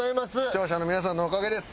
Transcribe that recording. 視聴者の皆さんのおかげです。